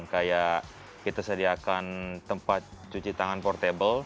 kayak kita sediakan tempat cuci tangan portable